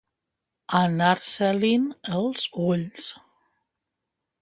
Anar-se-li'n els ulls.